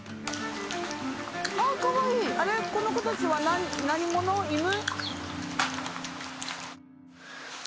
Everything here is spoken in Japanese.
あれこの子たちは何者？犬？